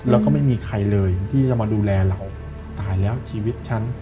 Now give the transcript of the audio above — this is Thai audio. แล้วก็ไม่มีใครเลยที่จะมาดูแลเราตายแล้วชีวิตฉัน